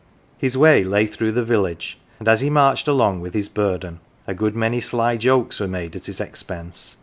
His vV>" way lay 'through the village, and as he marched along with his burden a good many sly jokes were made at his expense.